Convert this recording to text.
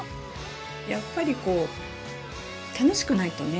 やっぱり楽しくないとね